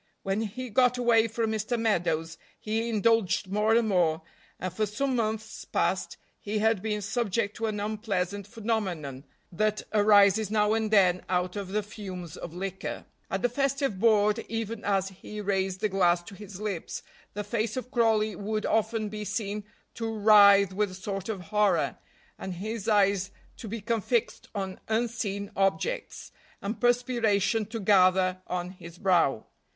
When he got away from Mr. Meadows he indulged more and more, and for some months past he had been subject to an unpleasant phenomenon that arises now and then out of the fumes of liquor. At the festive board, even as he raised the glass to his lips, the face of Crawley would often be seen to writhe with a sort of horror, and his eyes to become fixed on unseen objects, and perspiration to gather on his brow.